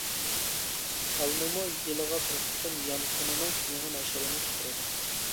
ئالمىمۇ يىلىغا بىر قېتىم يانفونىنىڭ يېڭى نەشرىنى چىقىرىدۇ.